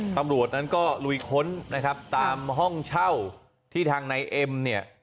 ตำรวจนั้นก็ลุยค้นนะครับตามห้องเช่าที่ทางนายเอ็มเนี่ย